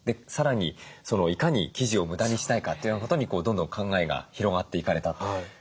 さらにいかに生地を無駄にしないかというようなことにどんどん考えが広がっていかれたと。